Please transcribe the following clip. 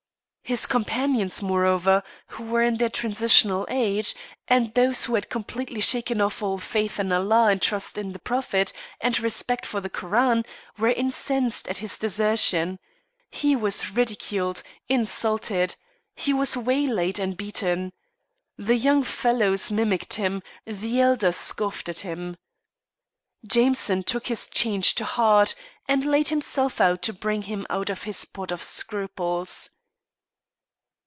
His companions, moreover, who were in the transitional stage, and those who had completely shaken off all faith in Allah and trust in the Prophet and respect for the Koran, were incensed at his desertion. He was ridiculed, insulted; he was waylaid and beaten. The young fellows mimicked him, the elder scoffed at him. Jameson took his change to heart, and laid himself out to bring him out of his pot of scruples.